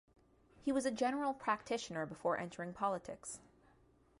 He was a general practitioner before entering politics.